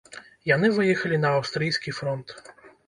Яны выехалі на аўстрыйскі фронт.